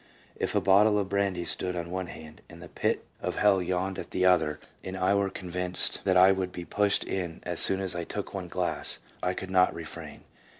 If a bottle of brandy stood on one hand, and the pit of hell yawned at the other, and I were convinced that I would be pushed in as soon as I took one glass, I could not refrain.